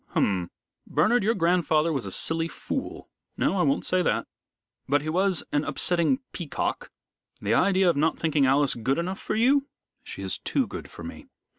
"Hum! Bernard, your grandfather was a silly fool no, I won't say that but he was an upsetting peacock. The idea of not thinking Alice good enough for you!" "She is too good for me."